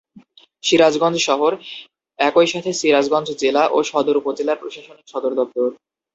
সিরাজগঞ্জ শহর একই সাথে সিরাজগঞ্জ জেলা ও সদর উপজেলার প্রশাসনিক সদরদপ্তর।